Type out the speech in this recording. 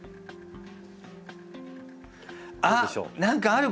あっ何かある！